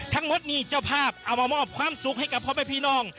ทั้งหมดนี้เจ้าภาพเอามามอบความสุขให้กับพ่อแม่พี่น้อง